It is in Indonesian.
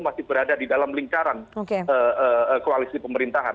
masih berada di dalam lingkaran koalisi pemerintahan